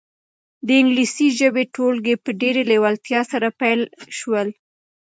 د انګلیسي ژبې ټولګي په ډېرې لېوالتیا سره پیل شول.